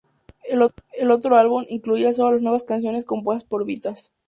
El otro álbum, incluía solo las nuevas canciones compuestas por Vitas.